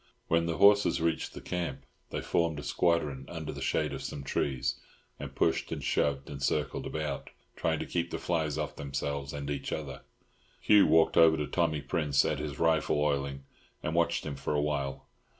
When the horses reached the camp they formed a squadron under the shade of some trees, and pushed and shoved and circled about, trying to keep the flies off themselves and each other. Hugh walked over to Tommy Prince at his rifle oiling, and watched him for a while.